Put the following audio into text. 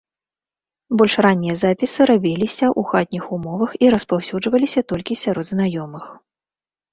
Больш раннія запісы рабіліся ў хатніх умовах і распаўсюджваліся толькі сярод знаёмых.